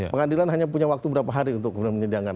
pengadilan hanya punya waktu berapa hari untuk menindangkan